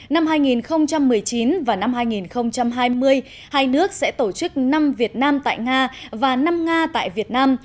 năm hai nghìn một mươi chín và năm hai nghìn hai mươi hai nước sẽ tổ chức năm việt nam tại nga và năm nga tại việt nam